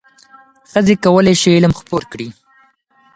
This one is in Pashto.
ښځې کولای شي علم خپور کړي.